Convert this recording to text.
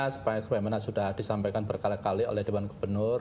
sepanjang itu memang sudah disampaikan berkali kali oleh dewan gubernur